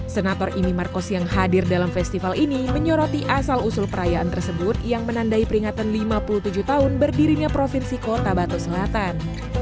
senator imi markos yang hadir dalam festival ini menyoroti asal usul perayaan tersebut yang menandai peringatan lima puluh tujuh tahun berdirinya provinsi kota batu selatan